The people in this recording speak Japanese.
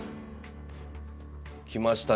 きましたね